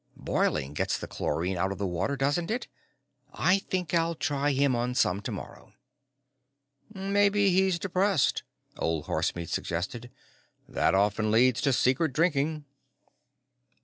Boiling gets the chlorine out of water, doesn't it? I think I'll try him on some tomorrow." "Maybe he's depressed," Old Horsemeat suggested. "That often leads to secret drinking."